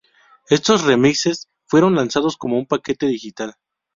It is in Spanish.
Estos remixes fueron lanzados como un paquete digital.